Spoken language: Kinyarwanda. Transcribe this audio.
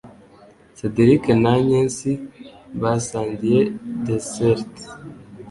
Cedric na agnes basangiye desert.